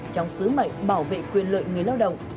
trong sứ mệnh bảo vệ quyền lợi người lao động